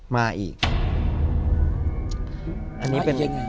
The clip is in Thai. มาอีกยังไง